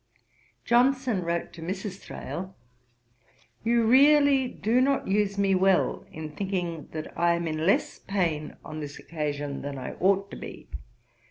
Johnson wrote to Mrs. Thrale: 'You really do not use me well in thinking that I am in less pain on this occasion than I ought to be.